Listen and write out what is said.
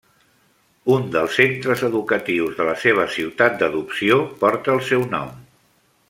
Un dels centres educatius de la seva ciutat d'adopció porta el seu nom.